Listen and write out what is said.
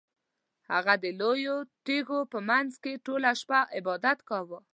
هغه د لویو تیږو په مینځ کې ټوله شپه عبادت کاوه.